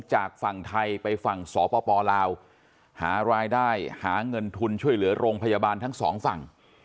จากฝั่งไทยไปฝั่งสปลาวหารายได้หาเงินทุนช่วยเหลือโรงพยาบาลทั้งสองฝั่ง